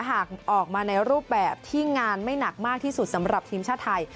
หากออกมาในรูปแบบที่งานไม่หนักมากที่สุดสำหรับทีมชาติไทย